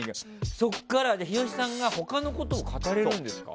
そこから日吉さんが他のことを語れるんですか？